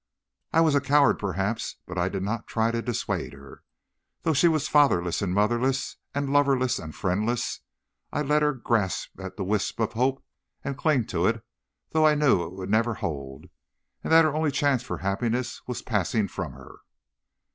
"I was a coward, perhaps, but I did not try to dissuade her. Though she was fatherless and motherless, and loverless and friendless, I let her grasp at this wisp of hope and cling to it, though I knew it would never hold, and that her only chance for happiness was passing from her.